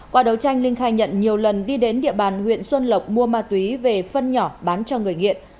qua đấu tranh linh khai nhận nhiều lần đi đến địa bàn huyện xuân lộc mua ma túy về phân nhỏ bán cho người nghiện